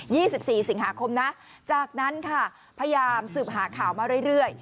สิบสี่สิงหาคมนะจากนั้นค่ะพยายามสืบหาข่าวมาเรื่อยเรื่อย